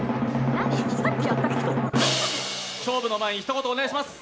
勝負の前に一言お願いします。